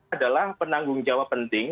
adalah penanggung jawab penting